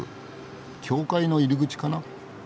教会の入り口かな。